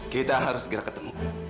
kita harus segera ketemu